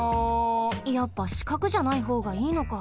やっぱしかくじゃないほうがいいのか。